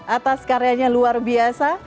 atas karyanya luar biasa